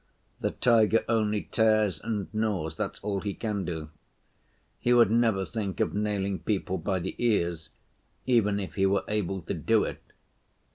The tiger only tears and gnaws, that's all he can do. He would never think of nailing people by the ears, even if he were able to do it.